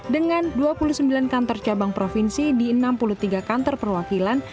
dengan dua puluh sembilan kantor cabang provinsi di enam puluh tiga kantor perwakilan